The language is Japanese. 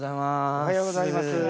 おはようございます。